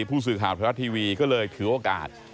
ผู้สื่อข่าวไทยรัฐทีวีก็เลยถือโอกาส